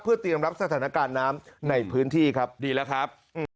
เตรียมรับสถานการณ์น้ำในพื้นที่ครับดีแล้วครับ